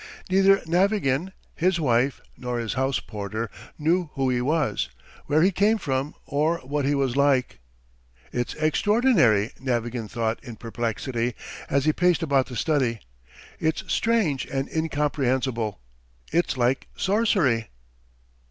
Neither Navagin, his wife, nor his house porter knew who he was, where he came from or what he was like. "It's extraordinary!" Navagin thought in perplexity, as he paced about the study. "It's strange and incomprehensible! It's like sorcery!"